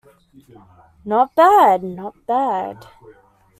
Not bad, not bad.